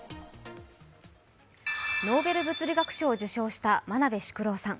ノーベル物理学賞を受賞した真鍋淑郎さん。